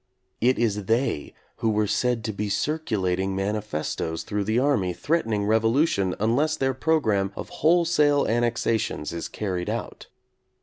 It is they who were said to be cir culating manifestoes through the army threatening revolution unless their programme of wholesale annexations is carried out.